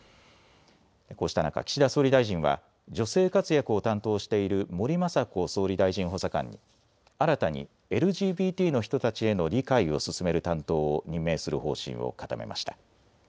こうした中、岸田総理大臣は女性活躍を担当している森まさこ総理大臣補佐官に新たにＬＧＢＴの人たちへの理解を進める担当を任命する方針を固めました。